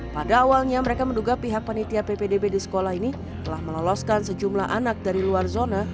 pada awalnya mereka menduga pihak panitia ppdb di sekolah ini telah meloloskan sejumlah anak dari luar zona